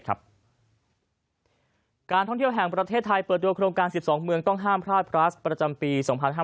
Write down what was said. การท่องเที่ยวแห่งประเทศไทยเปิดโดยโครงการ๑๒เมืองต้องห้ามพลาดพลัสประจำปี๒๕๕๙